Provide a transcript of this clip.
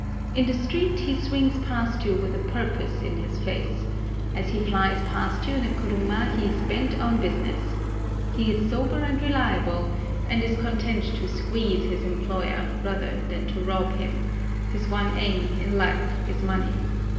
In the street he swings past you with a purpose in his face; as he flies past you in a kuruma he is bent on business; he is sober and reliable, and is content to "squeeze" his employer rather than to rob him—his one aim in life is money.